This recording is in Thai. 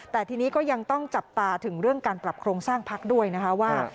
แต่ทีนี้ก็ยังต้องจับตาถึงเรื่องการปรับโครงสร้างพักด้วยนะคะว่า